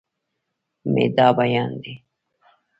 مې دا بيان دی